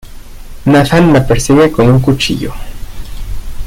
Nathan la persigue con un cuchillo.